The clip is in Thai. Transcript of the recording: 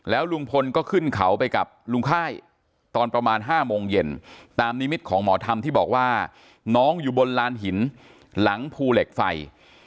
ลุงพลก็ขึ้นเขาไปกับลุงค่ายตอนประมาณ๕โมงเย็นตามนิมิตของหมอธรรมที่บอกว่าน้องอยู่บนลานหินหลังภูเหล็กไฟ